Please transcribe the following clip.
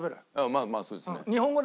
まあまあそうですね。